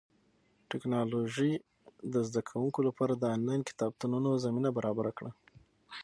ټیکنالوژي د زده کوونکو لپاره د انلاین کتابتونونو زمینه برابره کړه.